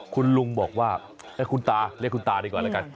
คุณลุงบอกว่าให้คุณตาเรียกคุณตาดีกว่าแล้วกัน